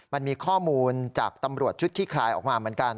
มันมีข้อมูลจากตำรวจชุดขี้คลายออกมาเหมือนกัน